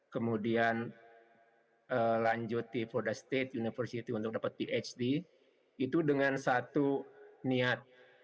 kemudian lanjuti for the state university untuk dapat phd itu dengan satu niat